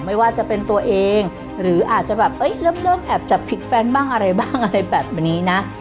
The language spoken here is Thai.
ไม่ว่าจะเป็นตัวเองหรืออาจจะแบบเริ่มแอบจับผิดแฟนบ้างอะไรบ้างอะไรแบบนี้นะ